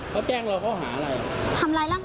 ข้าวแจ้งเราเขาหาอะไรอ่ะ